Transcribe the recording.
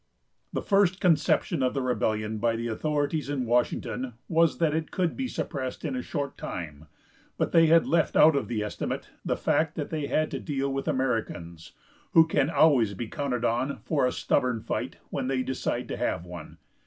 The first conception of the rebellion by the authorities in Washington was that it could be suppressed in a short time; but they had left out of the estimate the fact that they had to deal with Americans, who can always be counted on for a stubborn fight when they decide to have one.